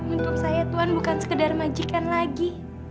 untuk saya tuhan bukan sekedar majikan lagi